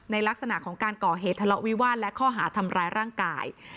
ลักษณะของการก่อเหตุทะเลาะวิวาสและข้อหาทำร้ายร่างกาย